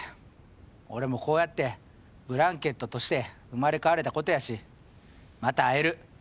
俺もこうやってブランケットとして生まれ変われたことやしまた会える。